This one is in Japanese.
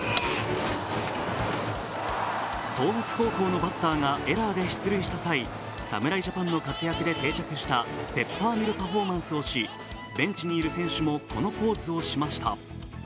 東北高校のバッターがエラーで出塁した際、侍ジャパンの活躍で定着したペッパーミルパフォーマンスをし、ベンチにいる選手もこのポーズをしました。